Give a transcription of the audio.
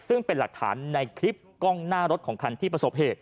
ซึ่งเป็นหลักฐานในคลิปกล้องหน้ารถของคันที่ประสบเหตุ